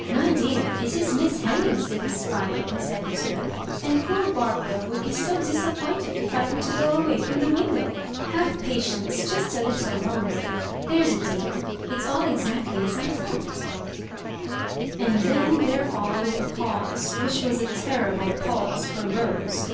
" My dear, it is Miss Hemmings that is spying, said Lucilla; "and poor Barbara would be so disappointed if I were to go away from the win dow. Have patience just a little, longei^—there'i a dear. It is all exactly as I thought" And then there followed a pause, which was a terrible pause for Rose.